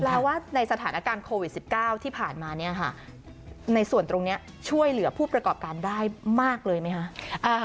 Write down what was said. ว่าในสถานการณ์โควิด๑๙ที่ผ่านมาเนี่ยค่ะในส่วนตรงนี้ช่วยเหลือผู้ประกอบการได้มากเลยไหมคะ